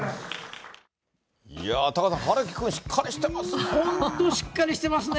いやぁ、タカさん、陽喜くんしっかりしてますね。